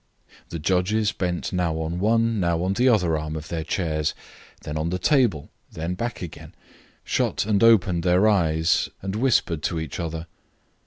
The judges bent now on one, now on the other arm of their chairs, then on the table, then back again, shut and opened their eyes, and whispered to each other.